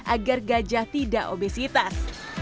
agar gajah tidak obesitas